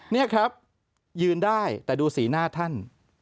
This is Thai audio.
นี่ครับยืนได้แต่ดูสีหน้าท่าน